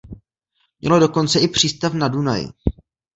Mělo dokonce i přístav na Dunaji.